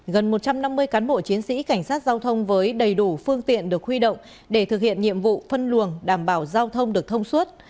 gần một trăm năm mươi cán bộ chiến sĩ cảnh sát giao thông với đầy đủ phương tiện được huy động để thực hiện nhiệm vụ phân luồng đảm bảo giao thông được thông suốt